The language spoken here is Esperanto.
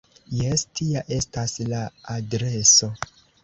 Jes, tia estas la adreso.